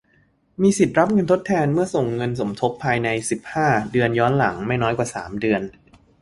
มีสิทธิ์รับเงินทดแทนเมื่อส่งเงินสมทบภายใน สิบห้า เดือน ย้อนหลัง ไม่น้อยกว่า สาม เดือน